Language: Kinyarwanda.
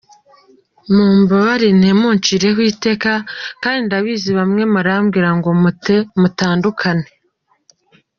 Mumbabarire ntimuncireho iteka, kandi ndabizi bamwe murambwira ngo mute, mutandukane.